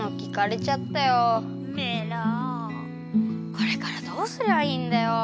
これからどうすりゃいいんだよ。